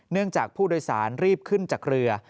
จากผู้โดยสารรีบขึ้นจากเรือ